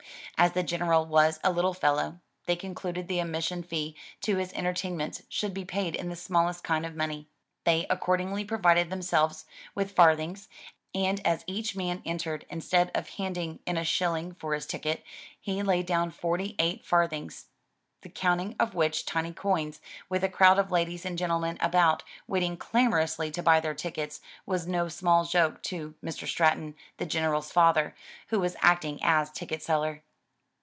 As the General was a little fellow, they concluded the admission fee to his entertain ments should be paid in the smallest kind of money. They accordingly provided themselves with farthings, and as each man entered, instead of handing in a shilling, for his ticket, he laid down forty eight farthings, the counting of which tiny coins, with a crowd of ladies and gentlemen about, waiting clamorously to buy their tickets, was no small joke to Mr. Stratton, the General's father, who was acting as ticket seller.